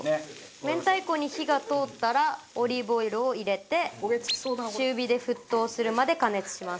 明太子に火が通ったらオリーブオイルを入れて中火で沸騰するまで加熱します。